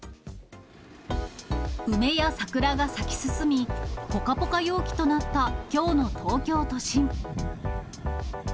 梅や桜が咲き進み、ぽかぽか陽気となったきょうの東京都心。